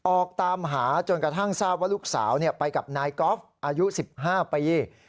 ออกตามหาจนกระทั่งทราบว่าลูกสาวไปกับนายกอล์ฟอายุ๑๕ปี